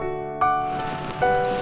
membentuk ada parah di dalam